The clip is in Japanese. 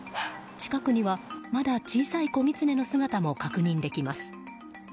近くには、まだ小さい子ギツネの姿も確認できます。